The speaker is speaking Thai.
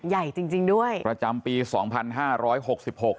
ใหญ่จริงจริงด้วยประจำปีสองพันห้าร้อยหกสิบหก